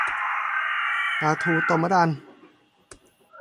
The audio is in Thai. ปลาทูต้มมะดัน